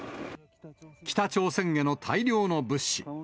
北朝鮮への大量の物資。